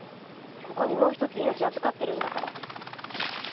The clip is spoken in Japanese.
ここにもう一つ命預かってるんだから。